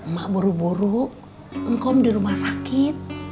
mak buru buru engkau di rumah sakit